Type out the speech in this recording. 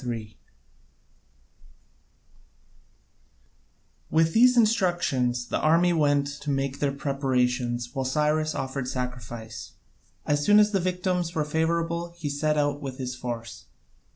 3] With these instructions the army went to make their preparations while Cyrus offered sacrifice. As soon as the victims were favourable, he set out with his force.